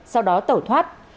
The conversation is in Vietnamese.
sau đó tẩu thoát